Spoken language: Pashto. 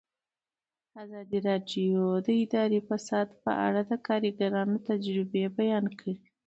ازادي راډیو د اداري فساد په اړه د کارګرانو تجربې بیان کړي.